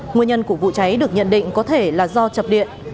nguyên nhân của vụ cháy được nhận định có thể là do chập điện